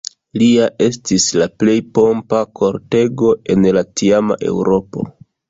Lia estis la plej pompa kortego en la tiama Eŭropo.